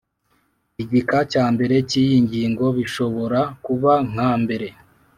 igika cya mbere cy iyi ngingo bishobora kuba nka mbere